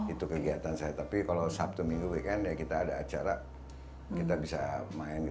itu kegiatan saya tapi kalau sabtu minggu weekend ya kita ada acara kita bisa main